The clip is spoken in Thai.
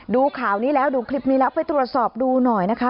ดูข่าวนี้แล้วดูคลิปนี้แล้วไปตรวจสอบดูหน่อยนะคะ